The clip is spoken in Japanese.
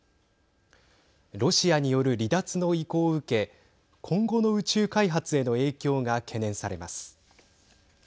ロシアによる離脱の意向を受け今後の宇宙開発への影響が懸念されます。